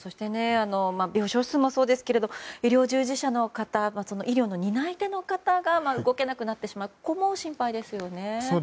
病床数もそうですが医療従事者の方医療の担い手の方が動けなくなってしまうところも心配ですよね。